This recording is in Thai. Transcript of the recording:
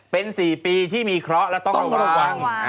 เป็น๔ปีที่มีเคราะห์และต้องระวัง